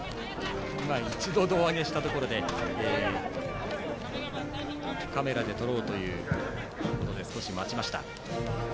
今、一度胴上げしたところでカメラで撮ろうということで少し待ちました。